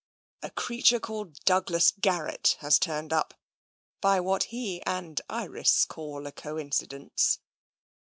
" A creature called Douglas Garrett has turned up, by what he and Iris call a coincidence.